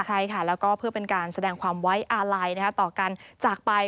ใช่ค่ะแล้วก็เพื่อเป็นการแสดงความไว้อาลัยต่อการจากไป